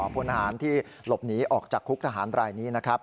พลทหารที่หลบหนีออกจากคุกทหารรายนี้นะครับ